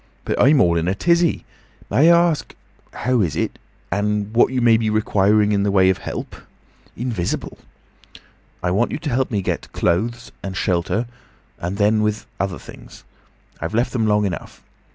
"But I'm all in a tizzy. May I ask—How is it? And what you may be requiring in the way of help?—Invisible!" "I want you to help me get clothes—and shelter—and then, with other things. I've left them long enough.